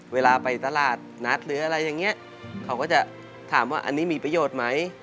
เวลาไปตลาดนัดหรืออะไรอย่างนี้เขาก็จะถามว่าอันนี้มีประโยชน์ไหม